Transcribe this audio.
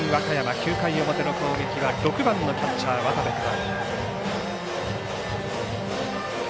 ９回の表の攻撃は６番のキャッチャー渡部から。